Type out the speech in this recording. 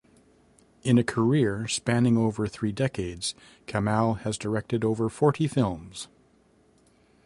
In a career spanning over three decades, Kamal has directed over forty films.